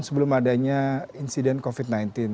sebelum adanya insiden covid sembilan belas